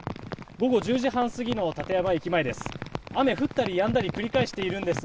午後１０時半過ぎの館山駅前です。